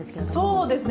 そうですね。